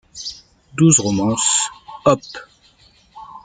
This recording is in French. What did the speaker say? Douze Romances op.